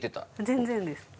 全然です。